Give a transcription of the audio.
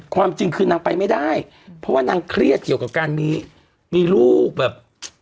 ความจริงคือนางไปไม่ได้เพราะว่านางเครียดเกี่ยวกับการมีลูกแบบ